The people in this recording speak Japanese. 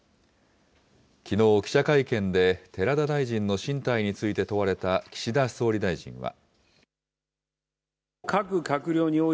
きのう、記者会見で寺田大臣の進退について問われた岸田総理大臣は。